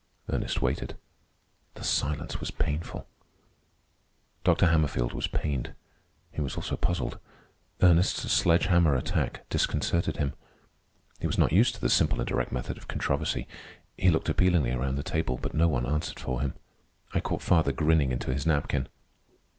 Ernest waited. The silence was painful. Dr. Hammerfield was pained. He was also puzzled. Ernest's sledge hammer attack disconcerted him. He was not used to the simple and direct method of controversy. He looked appealingly around the table, but no one answered for him. I caught father grinning into his napkin.